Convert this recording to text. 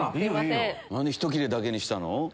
何でひと切れだけにしたの？